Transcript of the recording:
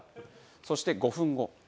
そして５分後。